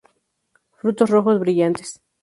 Frutos rojo brillantes.